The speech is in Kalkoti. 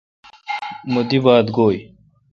مہ دی بات گوئ۔